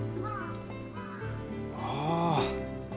ああ！